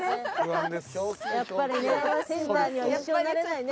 やっぱりねセンターには一生なれないね